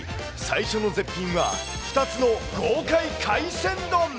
最初の絶品は、２つの豪快海鮮丼。